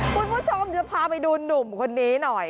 คุณผู้ชมจะพาไปดูหนุ่มคนนี้หน่อย